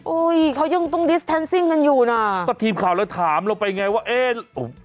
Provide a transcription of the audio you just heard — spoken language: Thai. อุ้ยเขายังต้องกันอยู่น่ะก็ทีมข่าวแล้วถามเราไปไงว่าเอ๊โอ้ย